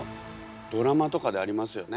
ドラマとかでありますよね。